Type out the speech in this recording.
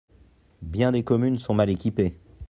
Bien des communes sont mal équipées.